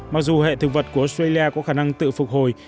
mặc dù hệ thực vật của australia có khả năng tự phục hồi